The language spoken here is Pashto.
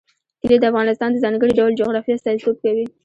کلي د افغانستان د ځانګړي ډول جغرافیه استازیتوب کوي.